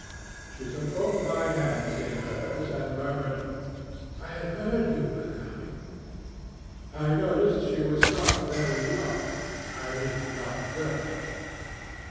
She took both my hands in hers and murmured, 'I had heard you were coming.' I noticed she was not very young I mean not girlish.